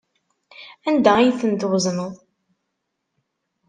Anda ay ten-twezneḍ?